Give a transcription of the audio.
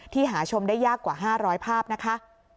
หาชมได้ยากกว่า๕๐๐ภาพนะคะ